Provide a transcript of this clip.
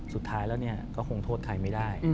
สุดท้ายแล้วก็คงโทษใครไม่ได้